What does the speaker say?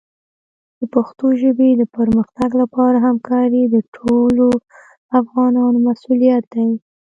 د پښتو ژبې د پرمختګ لپاره همکاري د ټولو افغانانو مسؤلیت دی.